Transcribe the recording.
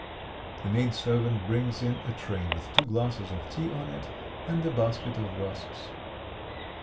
The maidservant brings in a tray with two glasses of tea on it, and a basket of rusks.